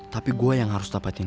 tapi gue yang harus dapetin lo